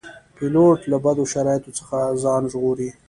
پیلوټ له بدو شرایطو ځان ژغوري.